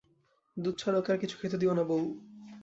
দুধ ছাড়া ওকে আর কিছু খেতে দিও না বৌ।